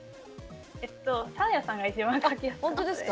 サーヤさんが一番描きやすかった。